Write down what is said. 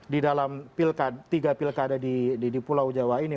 di dalam tiga pilkada di pulau jawa ini